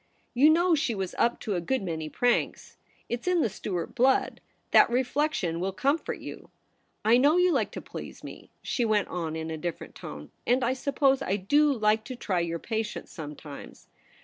You know she was up to a good many pranks. It's in the Stuart blood ; that reflection will comfort you. I know you like to please me,' she went on in a different tone ;' and 1 suppose I do like to try your patience sometimes.